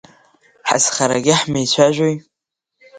Ҳазхарагьы ҳмеицәажәои!